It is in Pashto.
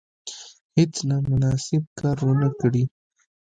هیڅ نامناسب کار ونه کړي.